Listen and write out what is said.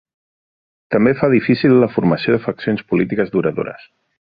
També fa difícil la formació de faccions polítiques duradores.